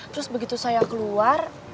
terus begitu saya keluar